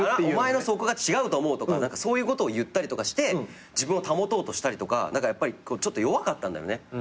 お前のそこが違うと思うとかそういうことを言ったりとかして自分を保とうとしたりとかやっぱりちょっと弱かったんだよね。